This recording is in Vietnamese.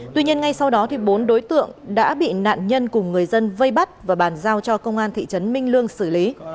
tuy nhiên ngay sau đó bốn đối tượng đã bị nạn nhân cùng người dân vây bắt và bàn giao cho công an thị trấn minh lương xử lý